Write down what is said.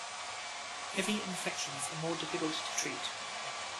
Heavy infections are more difficult to treat.